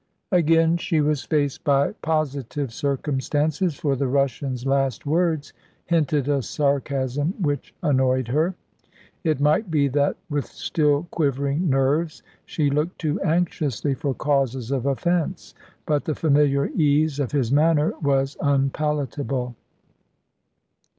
Again she was faced by positive circumstances, for the Russian's last words hinted a sarcasm which annoyed her. It might be that, with still quivering nerves, she looked too anxiously for causes of offence, but the familiar ease of his manner was unpalatable.